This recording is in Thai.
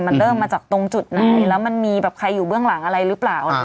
มันเริ่มมาจากตรงจุดไหนแล้วมันมีแบบใครอยู่เบื้องหลังอะไรหรือเปล่า